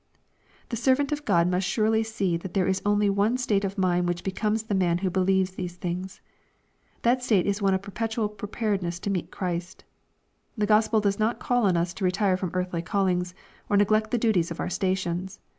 The servant of God must surely see that there is only one state of mind which becomes the man who believes these things. That state is one of perpetual prepared ness to meet Christ. The Gospel does not call on us to retire from earthly callings, or neglect the duties of our stations.